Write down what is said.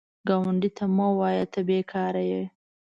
ګاونډي ته مه وایه “ته بېکاره یې”